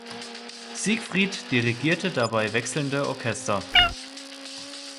Siegfried dirigierte dabei wechselnde Orchester.